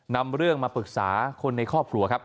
นำเรื่องมาปรึกษาคนในครอบครัวครับ